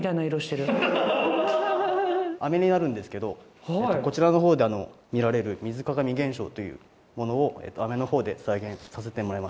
飴になるんですけどこちらの方で見られる水鏡現象というものを飴の方で再現させてもらいました。